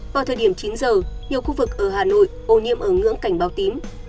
vào thời điểm chín giờ nhiều khu vực ở hà nội ô nhiễm ở ngưỡng cảnh báo tím